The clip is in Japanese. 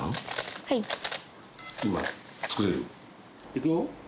いくよ。